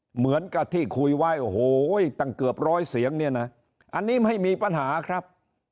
เหมือนกับที่คุยไว้โอ้โหตั้งเกือบร้อยเสียงเนี่ยนะอันนี้ไม่มีปัญหาครับ